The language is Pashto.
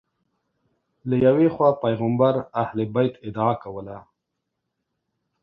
له یوې خوا پیغمبر اهل بیت ادعا کوله